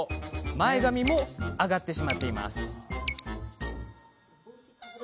前髪も上がってしまっています。